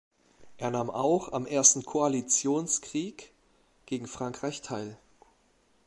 Er nahm auch am Ersten Koalitionskrieg gegen Frankreich teil.